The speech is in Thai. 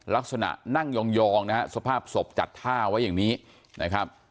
ลักษณะนั่งยองนะฮะสภาพศพจัดท่าไว้อย่างนี้นะครับ